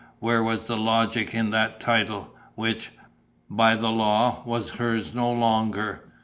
Where was the logic in that title which, by the law, was hers no longer?